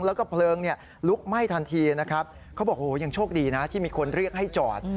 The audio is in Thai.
แล้วก็เพลิงเนี่ยลุกไหม้ทันทีนะครับเขาบอกโหยังโชคดีนะที่มีคนเรียกให้จอด